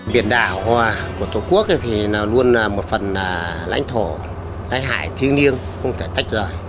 biển đảo hòa của tổ quốc thì luôn là một phần lãnh thổ ai hải thiêng liêng không thể tách rời